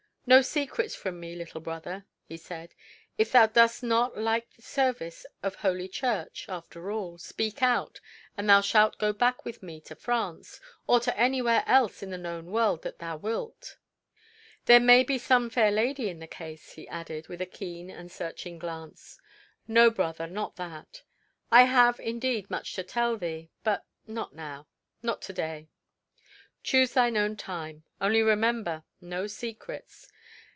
"No secrets from me, little brother," he said. "If thou dost not like the service of Holy Church after all, speak out, and thou shall go back with me to France, or to anywhere else in the known world that thou wilt. There may be some fair lady in the case," he added, with a keen and searching glance. "No, brother not that I have indeed much to tell thee, but not now not to day." "Choose thine own time; only remember, no secrets.